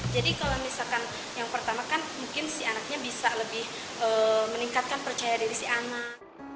jadi kalau misalkan yang pertama kan mungkin si anaknya bisa lebih meningkatkan percaya diri si anak